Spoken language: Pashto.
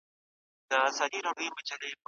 پوهان د ټولني د سر سترګې دي.